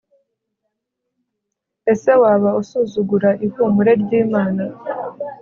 ese waba usuzugura ihumure ry'imana